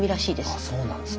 ああそうなんですね。